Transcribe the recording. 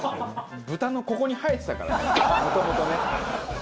豚のここに生えてたからねもともとね。